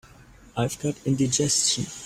I've got indigestion.